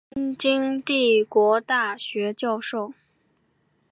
东京帝国大学教授。